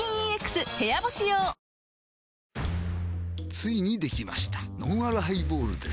ついにできましたのんあるハイボールです